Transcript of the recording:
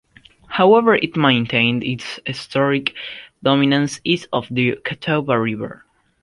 However, it maintained its historic dominance east of the Catawba River.